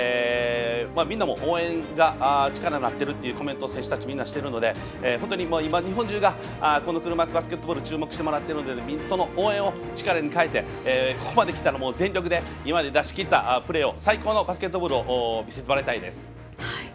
みんなも応援が力になってるというコメントを選手たちみんなしているので日本中がこの車いすバスケットボール注目してもらっているのでその応援を力に変えてここまできたら全力で今まで出しきったプレーを最高のバスケットボールを見せてもらいたいです。